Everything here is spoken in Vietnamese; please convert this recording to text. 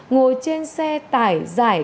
ngồi trên xe tải giải